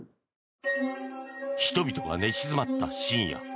人々が寝静まった深夜。